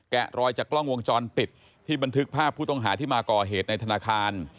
รอยจากกล้องวงจรปิดที่บันทึกภาพผู้ต้องหาที่มาก่อเหตุในธนาคาร